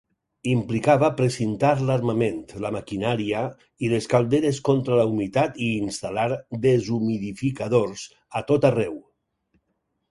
Implicava precintar l'armament, la maquinària i les calderes contra la humitat i instal·lar deshumidificadors a tot arreu.